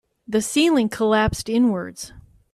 The ceiling collapsed inwards.